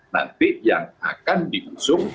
nanti yang akan diusung